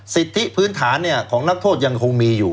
สิทธิพื้นฐานของนักโทษยังคงมีอยู่